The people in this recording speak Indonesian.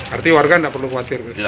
artinya warga tidak perlu khawatir